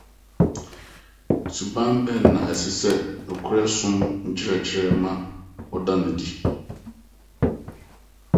Suban bɛn na ɛsɛ sɛ nokware som nkyerɛkyerɛ ma wɔda no adi?